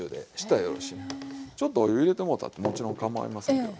ちょっとお湯入れてもうたってもちろんかまいませんけどね。